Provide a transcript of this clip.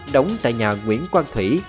đóng tại nhà nguyễn quang thủy